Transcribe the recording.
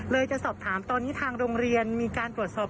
จะสอบถามตอนนี้ทางโรงเรียนมีการตรวจสอบ